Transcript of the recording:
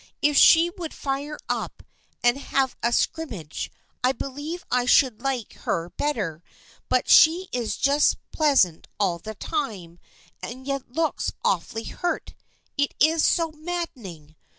If she would fire up and have a scrimmage I believe I should like her better, but she is just pleasant all the time and yet looks awfully hurt. It is so maddening.